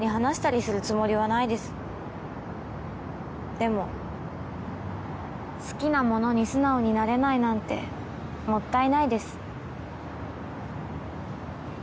でも好きなものに素直になれないなんてもったいないです。